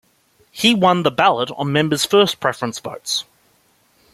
He won the ballot on members' first preference votes.